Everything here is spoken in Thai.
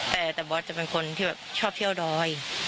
แต่บอสจะเป็นคนที่แบบชอบเที่ยวดอย